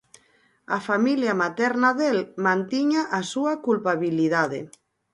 A familia materna del mantiña a súa culpabilidade.